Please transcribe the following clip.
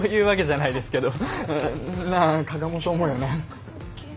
なあ加賀もそう思うよな！